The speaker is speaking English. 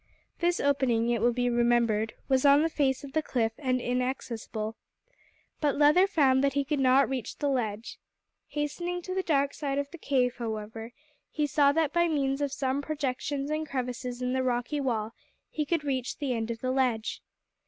This opening, it will be remembered, was on the face of the cliff and inaccessible. But Leather found that he could not reach the ledge. Hastening to the dark side of the cave, however, he saw that by means of some projections and crevices in the rocky wall he could reach the end of the ledge.